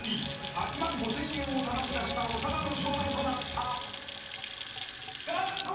［８万５，０００円をたたき出した長田の勝利となった］